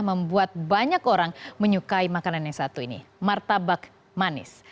membuat banyak orang menyukai makanan yang satu ini martabak manis